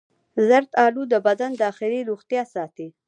زردآلو د بدن داخلي روغتیا ساتي.